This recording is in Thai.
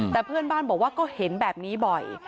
แต่เพื่อนบ้านบอกว่าก็เห็นแบบนี้บ่อย